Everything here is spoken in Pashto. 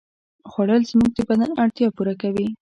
خوړل زموږ د بدن اړتیا پوره کوي